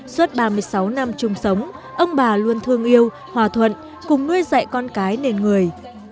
suốt ba mươi sáu năm chung sống ông bà luôn thương yêu hòa thuận cùng nuôi dạy con cái nền người